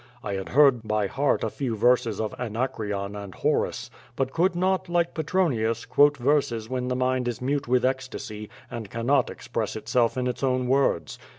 I had learned by heart a few verses of Anacreon and Horace, but could not, like Petronius, quote verses when the mind is mute with ecstasy and cannot express itself in its own words.